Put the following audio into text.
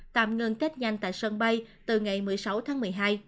tạm ngừng test nhanh tại sân bay từ ngày một mươi sáu tháng một mươi hai